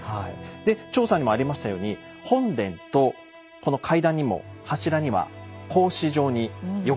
で調査にもありましたように本殿とこの階段にも柱には格子状に横材が。